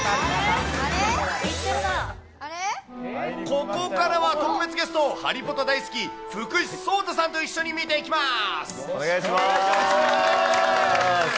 ここからは特別ゲスト、ハリポタ大好き、福士蒼汰さんと一緒に見ていきます。